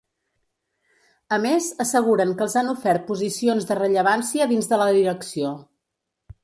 A més, asseguren que els han ofert posicions de rellevància dins de la direcció.